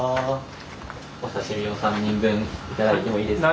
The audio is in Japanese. お刺身を３人分頂いてもいいですか？